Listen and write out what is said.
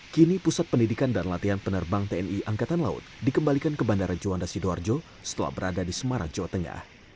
kini pusat pendidikan dan latihan penerbang tni angkatan laut dikembalikan ke bandara juanda sidoarjo setelah berada di semarang jawa tengah